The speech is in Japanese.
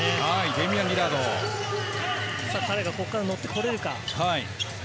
彼がここから乗ってこられるか。